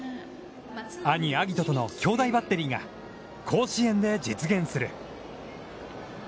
兄・晶音との兄弟バッテリーが甲子園で実現する。